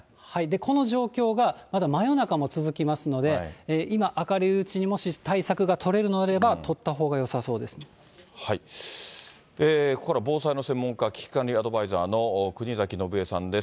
この状況が、まだ真夜中も続きますので、今、明るいうちにもし対策が取れるのであれば、ここからは防災の専門家、危機管理アドバイザーの国崎信江さんです。